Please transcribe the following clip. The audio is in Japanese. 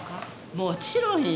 もちろんよ。